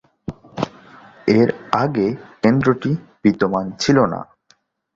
এর আগে কেন্দ্রটি বিদ্যমান ছিল না।